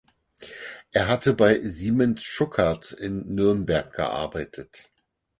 Er hatte bei Siemens-Schuckert in Nürnberg gearbeitet.